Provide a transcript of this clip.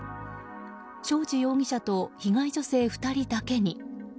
正地容疑者と被害女性２人だけに。